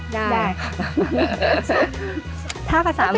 ได้ท่าประสามือ